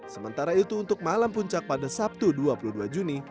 sementara itu untuk malam puncak pada sabtu dua puluh dua juni